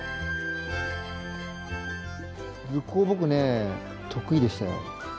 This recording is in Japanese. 図工僕ね得意でしたよ。